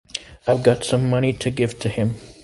I've got some money to give to him.